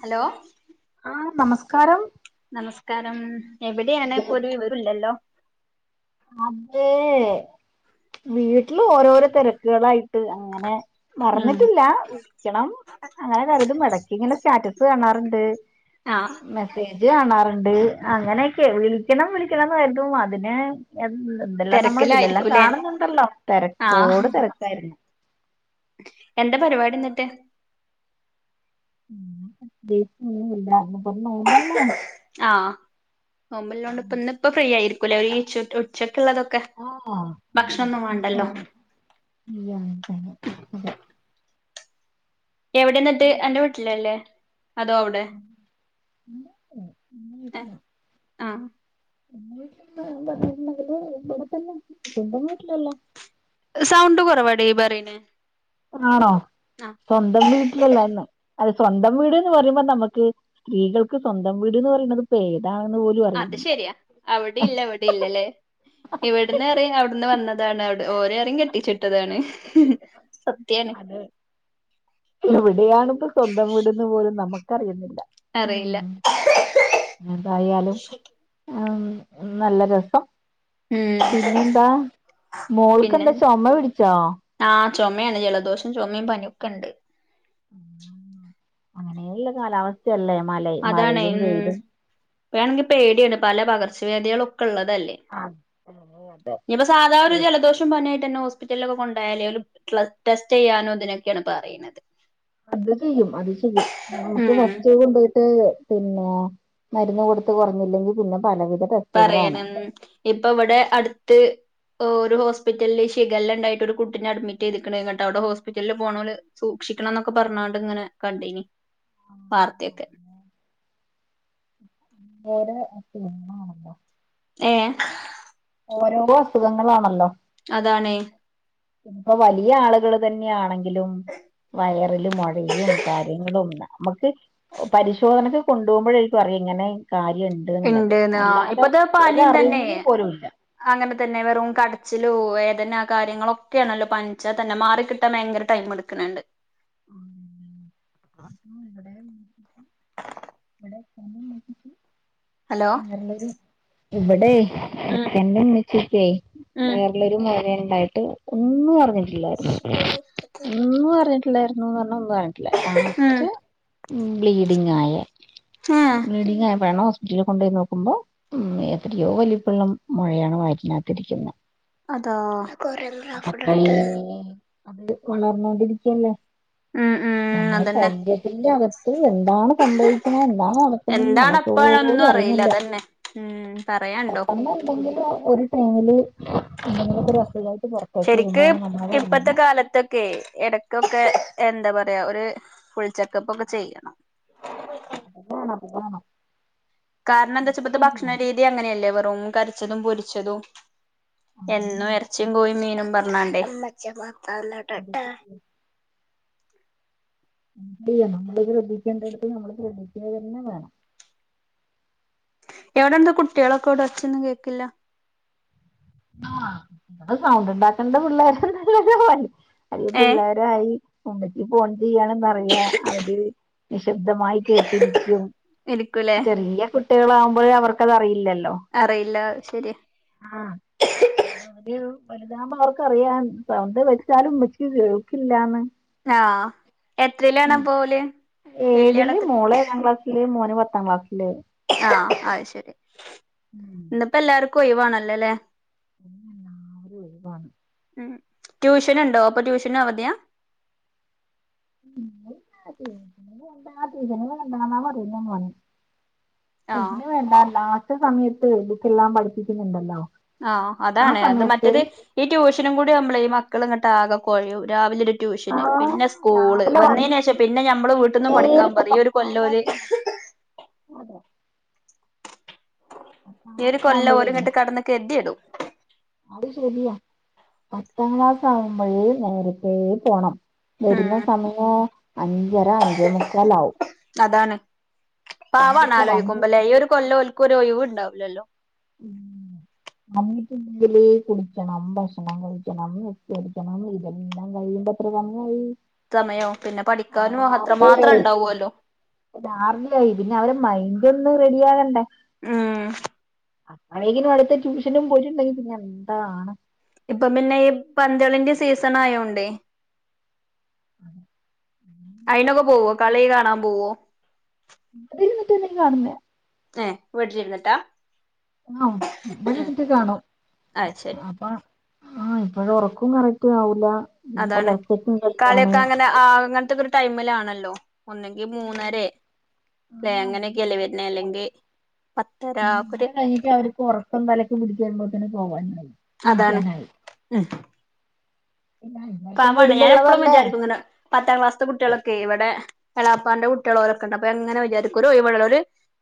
Hello ആ നമസ്കാരം നമസ്കാരം എവിടെയാണ് ഇപ്പോൾ ഒരു വിവരവുമില്ലല്ലോ അതേ വീട്ടിൽ ഓരോരോ തിരക്കുകളായി ട്ട് അങ്ങനെ ഉം മറന്നിട്ടില്ല വിളിക്കണം അങ്ങനെ വെറുതെ ഇടക്കിങ്ങനെ സ്റ്റാറ്റസ് ഇട്ട് കാണാറുണ്ട് ആ മെസ്സേജ് കാണാറുണ്ട് അങ്ങനെയൊക്കെ വിളിക്കണം വിളിക്കണം എന്നായിരുന്നു അതിന് എ എന്തെല്ലാം നമ്മൾ ഇതിലെല്ലാം തിരക്കിലായിരിക്കൂല്ലേ കാണുന്നുണ്ടല്ലോ ആഹ് തിരക്കോട് തിരക്കായിരുന്നു എന്താ പരിപാടി എന്നിട്ട് [unintelligible] നോമ്പലോണ്ട് ഇപ്പ ഇന്നിപ്പോ ഇപ്പൊ ഫ്രീ ആയിരിക്കൂല്ലേ ഒരു ഉ [inaudible] ആ വേണ്ടല്ലോ [unintelligible] [unintelligible] എവിടെ നിന്നിട്ട് എന്റെ വീട്ടിലല്ലേ അതോ അവിടെ അ ആ എന്റെ വീട്ടിലും ഇവിടെ തന്നെ സ്വന്തം വീട്ടിലല്ലാ സൗണ്ട് കുറവാടി ഈ പറയന്നേ ആണോ സ്വന്തം വീട്ടിലല്ലാരുന്നു അതെ സ്വന്തം വീട് എന്ന് പറയുമ്പ നമുക്ക് സ്ത്രീകൾക്ക് സ്വന്തം വീട് എന്ന് പറയണത് പേ അത് ശെരിയാ അവിടെ ഇല്ല ഇവിടെ ഇല്ലല്ലേ ഇവിടെന്ന് പറയും അവിടുന്ന് വന്നതാണ് അവിടെ ഓര് പറയും കെട്ടിച് വിട്ടതാണ് അതെ എവിടെയാണ് ഇപ്പോ സ്വന്തം വീടെന്ന് പോലും നമുക്കറിയുന്നില്ല അറിയില്ല എന്തായാലും ആമ് നല്ല രസം ഉം പിന്നെന്താ പിന്നെ മോൾക്കെന്താ ചുമ പിടിച്ചോ ആഹ് ചുമയാണ് ജലദോഷം ചുമയും പനിയൊക്കെ ഉണ്ട് ഉം അങ്ങനെയുള്ള കാലാവസ്ഥയല്ലേ മല മഴയും വെയിലും ഇപ്പണെങ്കിൽ പേടിയുണ്ട് പല പകർച്ച വ്യാധികൾ ഒക് ക്കള്ളതല്ലേ ആഹ് ഇനിപ്പോ സാധാ ഒരു ജലദോഷം പനി ആയി ഹോസ്പിറ്റലിലൊക്കെ കൊണ്ടായാലേ ടെസ്റ്റ് ചെയ്യാനോ ഇതിനൊക്കെയാണ് പറയണത് അത് ചെയ്യും അത് ചെയ്യും നമുക്ക് ഉം ഫസ്റ്റ് കൊണ്ട് പോയിട്ട് പിന്നെ മരുന്ന് കൊടുത്ത് കുറഞ്ഞില്ലെങ്കിൽ പിന്നെ പലവിധ ടെസ്റ്റുകളാണ് പറയനം ഇപ്പൊ ഇവിടെ അടുത്ത് ഒരു ഹോസ്പിറ്റലില് ഷിഗല്ല ഉണ്ടായിട്ട് ഒരു കുട്ടിനെ അഡ്മിറ്റ് ചെയ്തിക്കണ് എന്നിട്ടു അവിടെ ഹോസ്പിറ്റലിൽ പോണവര് സൂക്ഷിക ക്ഷിക്കണം എന്നൊക്കെ പറഞ്ഞോണ്ട് ഇങ്ങനെ കണ്ടേനി വാർത്തയൊക്കെ [unintelligible] ഏ ഓരോരോ അസുഖങ്ങളാണല്ലോ അതാണേ ഇപ്പം വലിയ ആളുകൾ തന്നെയാണെങ്കിലും വയറില് മുഴയും കാര്യങ്ങളും നമ്മുക്ക് പരിശോധനക്ക്‌ കൊണ്ടുപോകുമ്പോഴരിക്കും അറി ഇങ്ങനെ കാര്യം ഉണ്ട് എന്നുള്ളത് ഇണ്ട്ന്ന് ആഹ് അല്ലാതെ ഇപ്പത്തെ പനിയും തന്നെ ഒരറിവൂപോലുല്ല അങ്ങനെ തന്നെ വെറും കടച്ചിലോ വേദന കാര്യങ്ങളൊക്കെയാണല്ലോ പനിച്ചാൽ തന്നെ മാറി കിട്ടാൻ ഭയങ്കര ടൈം എടുക്കണണ്ട് [unintelligible] അപ്പോ ഇവിടെ [unintelligible] ഇവിടെ ഹലോ [unintelligible] ഇവിടെ ഉം എന്റെ ഉമ്മച്ചിക്കെ ഉം വയറിൽ ഒരു മുഴ ഉണ്ടായിട്ട് ഒന്നും അറിഞ്ഞി [inaudible] ഒന്നും അറിഞ്ഞിട്ടില്ലായിരുന്നുന്ന് പറഞ്ഞ ഉമ്മ അറിഞ്ഞിട്ടില്ല [unintelligible] ഉം ലാസ്റ്റ് ബ്ലീഡിംഗ് ആയി ഏഹ് ബ്ലീഡിങ് ആയിപ്പാളെ ഹോസ് റ്റലിൽ കൊണ്ടുപോയി നോക്കുമ്പോ ഉം എത്രയോ വലുപ്പള്ള മുഴയാണ് വാറ്റിനകത്തിരിക്കുന്നത് അതാ അത് വളർന്നോണ്ടിരിക്കല്ലേ ഉം ഉം നമ്മടെ അതന്നെ ശരീരത്തിന്റെ അകത്ത് എന്താണ് സംഭവിക്കുന്നത് എന്താണ് നടക്കുന്നതെന്ന് നമുക്ക് പോലും അറിയുന്നില്ല മ് പെട്ടെന്നു എന്തെങ്കിലും ഒരു ടൈമില് എന്തെങ്കിലും ഒരസുകായിട്ട് ശെരിക്ക് ഇപ്പത്തെ കാലത്തൊക്കെ ഇടക്കൊക്കെ എന്താ പറയാ ഒരു ഫുൾ ചെക്കപ്പ് ഒക്കെ ചെയ്യണം അതാണ് അതാണ് കാരണം എന്താ വെച്ചപ്പോ ഭക്ഷണ ശരിയാണ് രീതി അങ്ങനെയല്ലേ വെറും കരിച്ചതും പൊരിച്ചതും എന്നും ഇറച്ചിം കോയിം മീനും പറഞ്ഞാണ്ട് അത് [inaudible] നമ്മള് ശ്രദ്ധിക്കേണ്ടടത്ത് നമ്മള് ശ്രദ്ധിക്കുക തന്നെ വേണം എവിടെന്താ കുട്ടികളൊക്കെ എവിടെയൊച്ചയൊന്നും കേക്കില്ല ആ ഇവടെ സൗണ്ട് ഉണ്ടാക്കണ്ട പിള്ളേ [unintelligible] അയ്യോ ഏ പിള്ളാരായി ഉമ്മച്ചി ഫോൺ ചെയ്യാ ചെയ്യണന്നറിയ അവര് നിശബ്ദമായി കേട്ടിരിക്കും ഇരിക്കൂലേ ചെറിയ കുട്ടികള ആകുമ്പോഴേ അവർക്കത്റിയില്ലല്ലോ. അറിയില്ല ശരി വലുതാവുമ്പോ അവർക്ക്റിയാൻ സൗന്ത വെച്ചാലും ഉമ്മച്ചിക്ക് കേൾക്കില്ലന്ന്. ആഹ് എത്രയിലാണ് പ്പ ഓല്. വല്യാള് ഏഴില് എത്ര മോള് ഏഴാം ക്ലാസിൽ മോന് പത്താംക്ലാസിൽ ആഹ അ ശരി ഉം ക്കോ ഇവാണ്ല്ലല്ലേ പില്ല ഒരു ഒഴിവാണ് ഉ ട്യൂഷന ഉണ്ടോ അപ്പൊ ട്യൂഷന അവതിയാ എന്ത പറല്ല [unintelligible] ആഹ് എതിന് വേണ്ട ലാസ്റ്റ് സമയത്ത് എക്കെല്ലാം പഠിപ്പിക്കുന്നുണ്ടല്ലോ ആഹ ആ അതാണ് അത് സമയത്ത് മറ്റേത് ഈ ട്യൂഷനും കൂടി നമ്മള മക്കള ഇങ്ങോട്ട ആകെ കൊഴയും രാവിലെ ഒരു ആ ട്യൂഷന് പിന്നെ സ്കൂള് രാവിലെ വന്ന് വന്നതിന് ശേഷം പിന്നെ ഞമ്മള് വീട്ടിൽന്നന്ന് പഠിക്കാൻ പറിം ഒരു കൊല്ലോല് അതെ. പത്താം ര് ക്ലാസ് കൊല്ല ആവുമ്പോഴേ ഓൽങ്ങിട്ട് കടന്ന കതിയടും. അത് ശരിയാ പത്താം ക്ലാസ് ആകുമ്പോഴേ നേരത്തെ പോണം. ഉം വരുന്ന സമയോ അഞ്ചര അഞ്ചേ മുക്കാല ആവും അതാണ് പവാണ് വന്ന് ആലോചിക്കുമ്പോല്ലേ ഈ ഒരു കൊല്ലോൽക്ക് ഒരു ഒഴിവുണ്ടാവുലല്ലോ ഉം നമ്മിക്ക് ഇതലേ കുടിക്കണം ഭക്ഷണം കഴിക്കണം വപ്പ കഴിക്കണം ഇതെല്ലാം കഴ പത്ര കാ സമയോ പിന്നെ പഠിക്കാനും അത്ര മാത്രം ഉണ്ടാവല്ലോ? രാവിലെആയി പിന്നെ അവരെ മൈൻറ ഒന്നും റെഡി ആകണ്ടേ ഉം അേക്കിനും അടുത്ത ട്യൂഷനും പോയിട്ടുണ്ടെങ്കി പിന്നെ എന്താണ് ഇപ്പൊ പിന്നെ ഈ പന്തളിന്റെ സീസൺ ആയോണ്ടേ [inaudible] അയിനൊക്കെ പോവോ കളി കാണാൻ പോവോ ഇ മറ്റ എന്തെും കാണുന്ന ഏ വീട്ടിൽഇരുന്നിട്ടാ. ആഹ് വഴിത്തിട്ട കാണും അത് ശരി അപ്പൊ ആഹ് ഇപ്പോഴറക്കും കറക് റ്റാ വൂല്ല. അതാണ് കളിയൊക്കെ അങ്ങനെ അങ്ങനതെഒകെ ഒരു ടൈമിലാണല്ലോ. ഒന്നങ്കി മൂന്നരെ ലേ അങ്ങനെക്കെലേ വരുന്ന അല്ലെങ്കി പത്തര ഒക്കെ ഒരു അന്നനെ കഴിഞ്ഞിട്ട് അവർക്ക് ഉറക്കംതലയ്ക്കു പിടികുപോത്തിനും പോവാനുമായി. അതാണ് ഉ പിന്നെ അഞ്ച് വർഷം പവാണ് ഞൻ എപ്പഴും കൂടുമ്പോള്ളതല്ലേ വിചാരിക്കുന്നുനെ പത്താം ക്ലാസ്ത്തെ കുട്ടികളൊക്കെ ഇവിടെ എളാപ്പാന്റെ കുട്ടികളോരൊക്കെ ഉണ്ട് അപ്പൊ അങ്ങനെ വിചാരിക്കും ഒരു ഒഴിവാണ്ടാവൂല ഒരു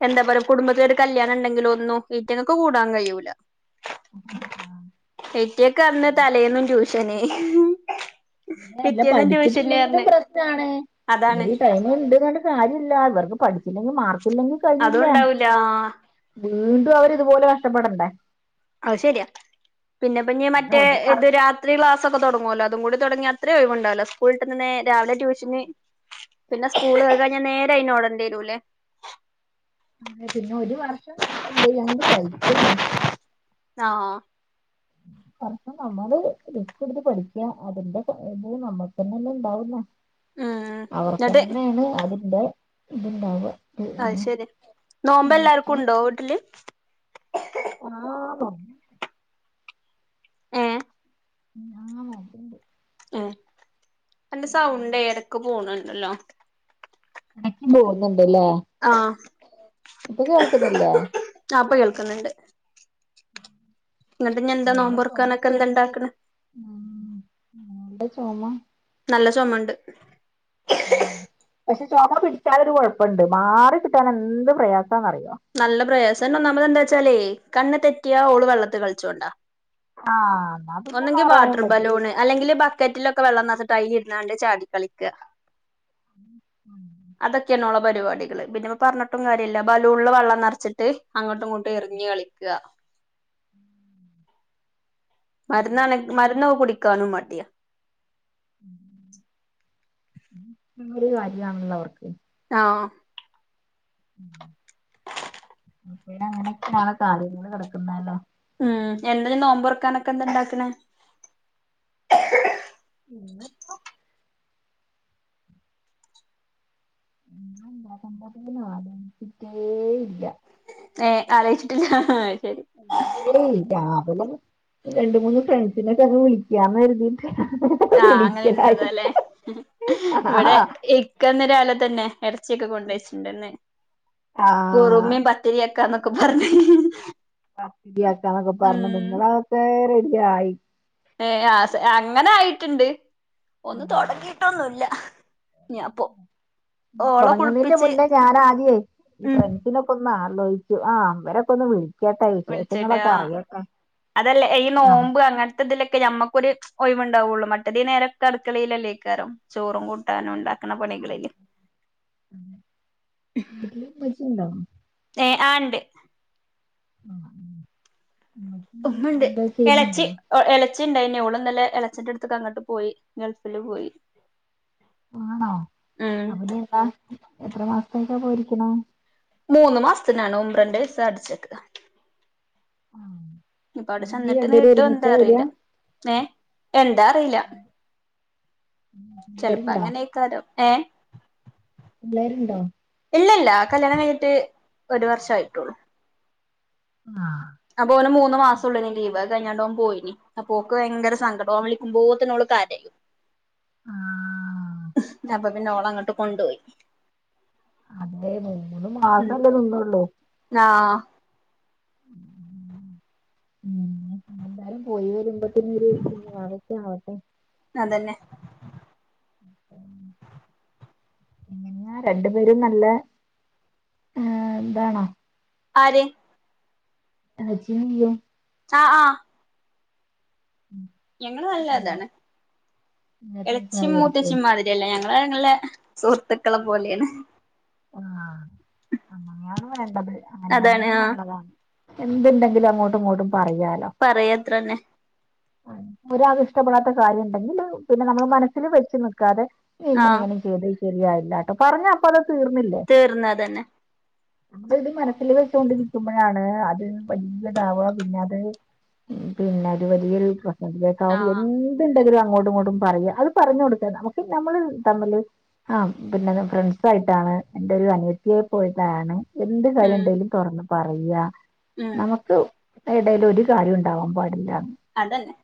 എന്താ പറിയ കുടുബത്തിലൽ ഒരു കല്യാണ ഉണ്ടെങ്കില ഒന്ന് ഈറ്റങ്ങൾക് കൂടാൻ കഴൂല ഹെറ്റിയൊക്കെ അന്ന് തലയന്നും ട്യൂഷന് അങ്ങന അല്ല പിറ്റേന്നും ട്യൂഷന് പഠിച്ചിട്ടില്ലെങ്കിലും പറഞ്ഞ് പ്രശ്നാണ്. അതാണ് ഇവര് ഈ ടൈമ ഇണ്ട് പറഞ്ഞിട്ടു കാര്യല്ല ഇവർക്ക് പഠിച്ചില്ലെങ്കി മാർക്ക് ഇല്ലെങ്കി അതും കഴിഞ്ഞില്ലേ ഉണ്ടാവൂല വീണ്ടും അവര് ഇതുപോലെ കഷ്ടപ്പെടണ്ടേ അ ശരിയാ പിന്നെപ്പഞ്ഞ് ഇ പിന്നെ മറ്റേ ഒരു ഇത് രാത്രി ക്ലാസ് ക്കെ തുടങ്ങുവല്ലോ അതും കൂടി തുടങ്ങി അത്രയും ഒഴിവ ഉണ്ടാവൂല സ്കൂളിട്ടന്ന്‌ നേ രാവിലെ ട്യൂഷന് പിന്നെ സ്കൂളക്കെ കയിഞ്ഞന്നാ നേര അയിനേടണ്ടിയരൂല്ലേ. അങ്ങതെ പിന്നെ ഒരു വർഷം നമ്മൾന്ത ചെയ്യ അങ്ങ സൈക്കനേ. ആഹ് [inaudible] ഒപ്പം നമ്മള് റിസ്‌കിട്ത്ത് പഠിക്കാം അതിൻ്റെത് നമ്മക്കെന്നെ ഉണ്ടാവുള്ളു ഉം എന്നിട്ട് അവർക്കന്നെയാണ് അതിന്റെ ഇത്ണ്ടാവാ അത്ശെരിയാ നോമ്പ് എല്ലാർക്കും ഉണ്ടോ വീട്ടില് ആഹ് നോ ഏഹ് ആഹ് നോക്ക്ണ്ട് എ അന്റെ സൗണ്ട് എടക്ക് പോണുണ്ടല്ലോ ഇടക്ക് പോന്നണ്ട്ല്ലേ ആഹ് ഇപ്പൊ കേൾക്കുന്നില്ലേ കേക്ക്ന്നുണ്ട് മോളെ ചൊമ നോമ്പൊറക്കാനൊക്കെ എന്താ കേട്ട്ട്ട് ഇണ്ടാക്കണ് ഉം മോളെ ചൊമ നല്ല ചൊമണ്ട് പക്ഷെ ചുമ പിടിച്ചാലൊരു കുഴപ്പണ്ട് മാറി കിട്ടാൻ എന്ത് പ്രയാസ നല്ല പ്രയാസം ഒന്നാമ്മത് എന്താ വെച്ചാലേ കണ്ണ് തെറ്റിയാ ഓള് വെള്ളത്തി കളിച്ചോണ്ടാ ആഹ് എന്നാ പിന്നെ ഒന്നെങ്കി വാട്ടർ മാറാനും പറ്റും ബലൂണ് അല്ലെങ്കിൽ ബക്കറ്റിലൊക്കെ വെള്ളം നറച്ചിട്ട് അതിൽ ഇരുന്നാണ്ട് ചാടി കളിക്കാ ഉം [inaudible] പരിപാടികള് പിന്നെ പറഞ്ഞിട്ടും കാര്യമില്ല ബലൂണില് വെള്ളം നെറച്ചിട്ട് അങ്ങോട്ടും ഇങ്ങോട്ടും എറിഞ്ഞ് കളിക്കാ മരുന്നാണെ മരുന്നൊക്കെ കുടിക്കാനും മടിയാ എന്തെങ്കിലും ഒരു കാര്യമാണല്ലോ അവർക്ക് ആഹ് ഉം [inaudible] [unintelligible] അങ്ങനെയൊക്കെയാണ് കാര്യങ്ങൾ നടക്കുന്നേ ല്ലേ ഉം എന്താനി നോമ്പുറക്കാനൊക്കെ എന്താ ഇണ്ടാക്കണെ ഇന്നിപ്പോ എന്താ ഇണ്ടാക്കണ്ടെത് ന്ന് ആലോചിച്ചിട്ടേയില്ല ഏ അലോയിച്ചിട്ടില്ല [unintelligible] രാവിലെ രണ്ട് മൂന്ന് ഫ്രണ്ട്സിനൊക്കെ അങ്ങ് വിളിക്കാന്ന് കരുതിക്കാ ആഹ് അങ്ങനെ ഇരുന്നത് അല്ലെ ആ ഇവിടെ ഇക്ക ഇന്ന് രാവിലെ തന്നെ എറച്ചിയക്ക കൊണ്ടയ്ച്ചിട്ട്ണ്ട്ന്ന് ആ കുറുമയും പത്തിരി വെക്കാന്നൊക്കെ പറഞ്ഞ് പത്തിരിയാക്കന്നൊക്കെ പറഞ്ഞ് ഉം നിങ്ങളെ അതൊക്കെ റെഡി ആയി ഏ ആ സ് അങ്ങനെ ആയിട്ടുണ്ട് ഒന്ന് തൊടങ്ങിയിട്ടൊന്നുല്ല ഓളെ കുളിപ്പിച്ച് തുടങ്ങുന്നതിന്നമുന്നേ ഞാനാദ്യേ ഈ ഉം ഫ്രണ്ട്സിനൊക്കെ ഒന്ന് [unintelligible] ആലോയിച്ചു ആ ഇമ്പരൊക്കെ ഒന്ന് വിളിച്ചു വിളിച്ചിട്ട് ആ അതല്ലേ ഈ നോമ്പ് അങ്ങനത്തെ ഇതിലൊക്കെ ഞമ്മക്കൊരു ഒഴിവ് ഉണ്ടാവുള്ളൂ മറ്റത് ഈനേരൊക്ക അടുക്കളയിലല്ലേ [unintelligible] ചോറും കൂട്ടാനും ഉണ്ടാക്കണ പണികളില് വീട്ടില് പശുണ്ടോ ഏ ആണ്ട് ആ ആഹ് [unintelligible] എന്താ [unintelligible] ചെയ്യുന്നുണ്ടോ ളച്ചി ഇണ്ടായിന്നു ഓള് ഇന്നലെ എളച്ചന്റെ അടുത്തക്ക് അങ്ങോട്ട് പോയി ഗൾഫില് പോയി ആണോ ഉം അപ്പോ ഇനി എന്നാ എത്ര മാസത്തേക്കാ പോയിരിക്കണെ മൂന്ന് മാസത്തിനാണ് ഉംറൻ്റെ വിസ അടിച്ചേക്കാ ആ ഇനി രണ്ടുപേരും നീട്ടോ എന്താ ഒരുമിച്ചാ വെരാ അറിയില്ല ഏ എന്താ അറിയില്ല ചെലപ്പോ പിള്ളേരുണ്ടോ അങ്ങനെയായിക്കാരം ഏ പിള്ളേരുണ്ടോ ഇല്ല ഇല്ല കല്യാണം കഴിഞ്ഞിട്ട് ഒരു വർഷയിട്ടുള്ളൂ ആ അപ്പൊ ഓന് മൂന്ന് മാസം ഉള്ളൂ ലീവ് [unintelligible] ഓൻ പോയീനി. അപ്പോക്ക് ഭയങ്കര സങ്കടം. ഓൻ വിളിക്കുമ്പോത്ത്ന് ഓള് കരയും ആ [unintelligible] ഓളങ്ങോട്ട് കൊണ്ടോയി അതെ മൂന്ന് മാസം ഉം അല്ലേ നിന്നുള്ളു [inaudible] [unintelligible] ഉ എല്ലാരും പോയി വരുമ്പോത്ത്നൊരു കുഞ്ഞുവാവ ഒക്കെ ആവട്ടെ അതന്നെ ഉ [inaudible] രണ്ടു പേരും നല്ല ഏ ഇതാണോ ആര് [unintelligible] ആ അ ഞങ്ങള് നല്ല പിന്നെ ഇതാണ്. ഇങ്ങനത്തെ എളച്ചിം സഹകരിക്കോ മൂത്തച്ചിം മാതിരിയല്ല ഞങ്ങ ഞങ്ങളെ സുഹൃത്തുക്കളപോലെയാണ് ആ അങ്ങനെയാണ് വേണ്ടത്. അതാണ് അങ്ങനെയാവുമ്പോ ആഹ് നല്ലതാ. എന്തുണ്ടെങ്കിലും അങ്ങോട്ട് പറയാത്രന്നെ ഒരാള് ഇഷ്ടപ്പെടാത്ത കാര്യം ഉണ്ടെങ്കിൽ പിന്നെ നമ്മൾ മനസ്സിൽ വെച്ചു നൽക്കാതെ ഇങ്ങനെ ആഹ് ഇങ്ങനെ [inaudible] ശരിയായില്ലാട്ടോ പറഞ്ഞ അപ്പത് ല്ലേ. തീർന്നതന്നെ നമ്മള് ഇത് മനസ്സിൽ വെച്ചൊണ്ടിരിക്കുമ്പോഴാണ് അ വല്യതാവ പിന്നത് ഉം പിന്നത് വലിയൊരു അതിനേ വും ആഹ് എന്തുണ്ടെങ്കിലും അ അങ്ങോട്ടും ഇങ്ങോട്ടും പറയാം അത് പറഞ്ഞു കൊടുക്ക. നമുക്ക് നമ്മൾ തമ്മില് ആ പിന്നെ ഫ്രണ്ട്സായിട്ട് അതാണ്. എന്റെ ഒരു അനിയത്തിയെ പോയിട്ടാണ് എന്ത് കാര്യം ഉം ണ്ടെങ്കിലും തുറന്ന് പറയുക ഉം നമുക്ക് എടല യിൽ ഒരു കാര്യം ഉണ്ടാവാൻ പാടില്ല അതന്നെ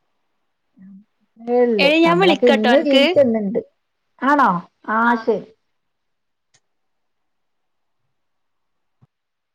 ള്ളു എടി ഞാൻ നമ്മളൊക്കെ വിളിക്കട്ടോ ഇന്ന് അനക്ക് ജീവിച്ചന്ന്ണ്ട് ആണോ ആ ആഹ് ശരി